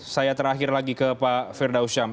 saya terakhir lagi ke pak firdausyam